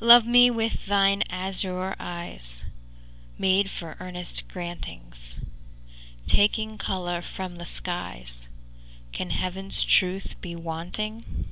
III Love me with thine azure eyes, Made for earnest grantings; Taking colour from the skies, Can Heaven's truth be wanting?